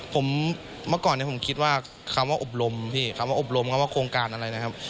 ผมเมื่อก่อนเนี่ยผมคิดว่าคำว่าอบรมพี่คำว่าอบรมคำว่าโครงการอะไรนะครับ